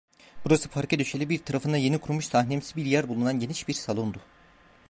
Burası parke döşeli, bir tarafında yeni kurulmuş sahnemsi bir yer bulunan geniş bir salondu.